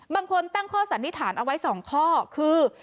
บางคนตั้งข้อสันนิษฐานเอาไว้๒ข้อคือ